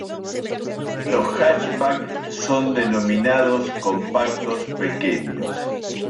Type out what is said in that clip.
Los hatchback son denominados "Compactos Pequeños".